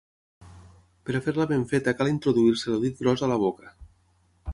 Per fer-la ben feta cal introduir-se el dit gros a la boca.